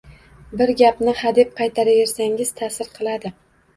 Bir gapni hadeb qaytaraversangiz, ta’sir qiladi